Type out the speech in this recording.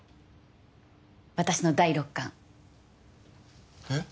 私の第六感えっ？